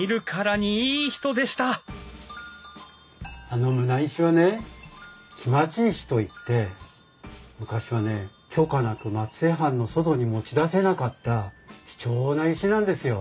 あの棟石はね来待石といって昔はね許可なく松江藩の外に持ち出せなかった貴重な石なんですよ。